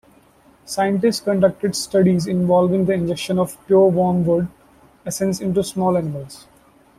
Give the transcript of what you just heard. Scientists conducted studies involving the injection of pure wormwood essence into small animals.